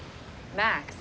マックス。